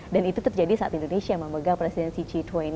dan itu terjadi saat indonesia memegang presidensi g dua puluh